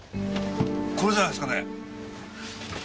これじゃないですかね